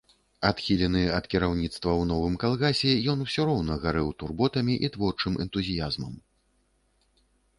Адхілены ад кіраўніцтва ў новым калгасе, ён усё роўна гарэў турботамі і творчым энтузіязмам.